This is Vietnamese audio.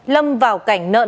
lâm vào cảnh nợ nần